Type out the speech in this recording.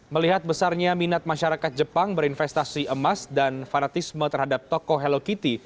melihat besarnya minat masyarakat jepang berinvestasi emas dan fanatisme terhadap tokoh hello kitty